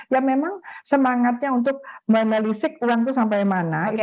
ya memang semangatnya untuk menelisik uang itu sampai mana